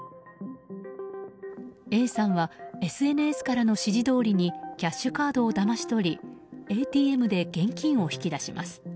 ＡさんはＳＮＳからの指示どおりにキャッシュカードをだまし取りＡＴＭで現金を引き出します。